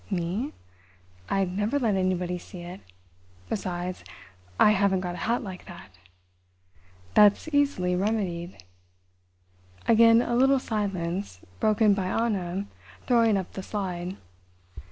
"Me? I'd never let anybody see it. Besides, I haven't got a hat like that!" "That's easily remedied." Again a little silence, broken by Anna throwing up the slide.